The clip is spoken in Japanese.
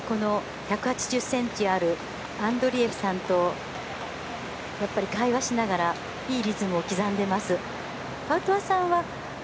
１８０ｃｍあるガイドランナーと会話しながらいいリズムを刻んでいます。